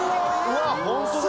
うわあホントだ！